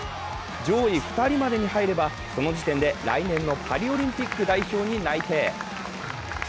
上位２人までに入れば、その時点で来年のパリオリンピック代表に内定。